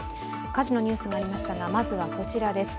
火事のニュースもありましたが、まずはこちらです。